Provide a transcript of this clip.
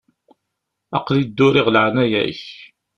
Aql-i dduriɣ leɛnaya-k.